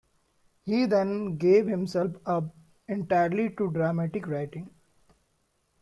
He then gave himself up entirely to dramatic writing.